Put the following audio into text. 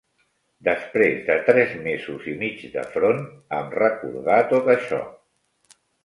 Després de tres mesos i mig de front, em recordà tot això.